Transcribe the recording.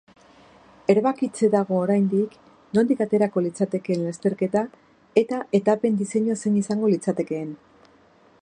Erabakitzeke dago oraindik nondik aterako litzatekeen lasterketa eta etapen diseinua zein izango litzaketeen.